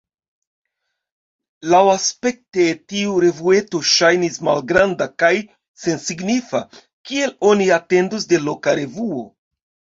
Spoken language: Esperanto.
Laŭaspekte tiu revueto ŝajnis malgranda kaj sensignifa, kiel oni atendus de loka revuo.